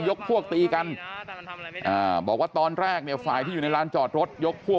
พวกตีกันอ่าบอกว่าตอนแรกเนี่ยฝ่ายที่อยู่ในร้านจอดรถยกพวก